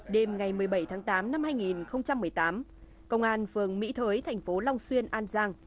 đêm ngày một mươi bảy tháng tám năm hai nghìn một mươi tám công an phường mỹ thới thành phố long xuyên an giang